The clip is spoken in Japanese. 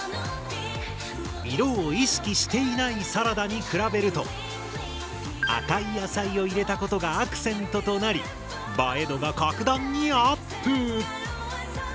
色を意識していないサラダに比べると赤い野菜を入れたことがアクセントとなり映え度が格段にアップ！